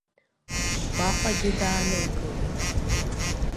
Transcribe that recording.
Уаҟагьы даанымгылеит.